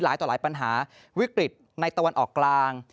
ต่อหลายปัญหาวิกฤตในตะวันออกกลาง